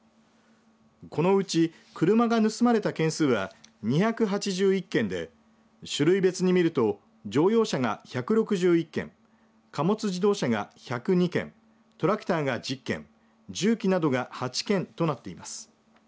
このうち車が盗まれた件数は２８１件で種類別に見ると乗用車が１６１件貨物自動車が１０２件トラクターが１０件重機などが８件となっています。